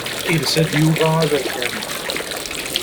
Yelsa-d Yuba aberkan.